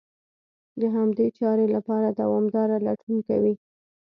د همدې چارې لپاره دوامداره لټون کوي.